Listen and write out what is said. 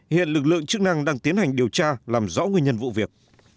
hiện lực lượng chức năng đang tiến hành điều tra làm rõ nguyên nhân vụ việc